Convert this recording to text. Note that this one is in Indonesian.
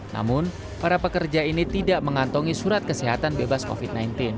namun para pekerja ini tidak mengantongi surat kesehatan bebas covid sembilan belas